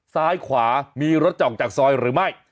ซ้ายขวามีรถจะออกจากซอยหรือไม่